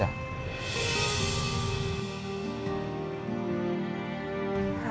aku mau pergi kerja